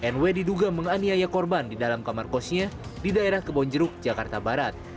nw diduga menganiaya korban di dalam kamar kosnya di daerah kebonjeruk jakarta barat